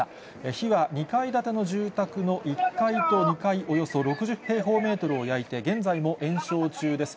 火は２階建ての住宅の１階と２階およそ６０平方メートルを焼いて、現在も延焼中です。